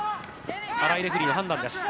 新井レフリーの判断です。